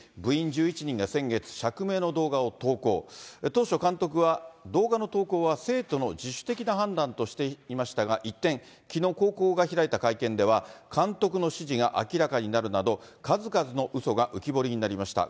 当初、監督は動画の投稿は生徒の自主的な判断としていましたが、一転、きのう、高校が開いた会見では、監督の指示が明らかになるなど、数々のうそが浮き彫りになりました。